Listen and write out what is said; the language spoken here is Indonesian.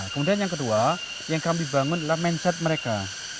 kemudian yang kedua yang kami bangun adalah mindset mereka